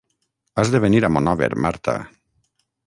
Has de venir a Monòver, Marta.